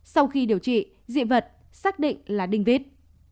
sau khi điều trị dị vật xác định là đinh vít